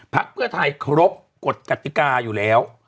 พักเพื่อไทยครบกฎกติกาอยู่แล้ว